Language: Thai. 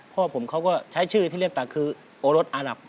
พ่อผมเขาก็ใช้ชื่อที่เรียกตักคือโอรสอาหลับ